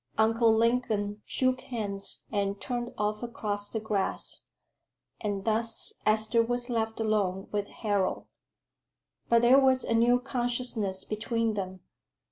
Uncle Lingon shook hands and turned off across the grass, and thus Esther was left alone with Harold. But there was a new consciousness between them.